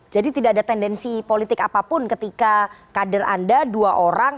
jadi tidak ada tendensi politik apapun ketika kader anda dua orang